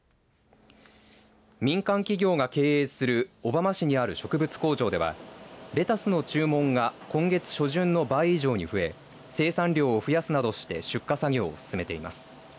民間企業が経営する小浜市にある植物工場ではレタスの注文が今月初旬の倍以上に増え生産量を増やすなどして出荷作業を進めています。